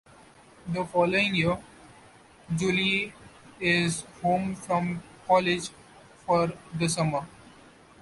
The following year, Julie is home from college for the summer.